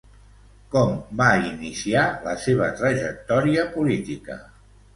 Com va iniciar la seva trajectòria política?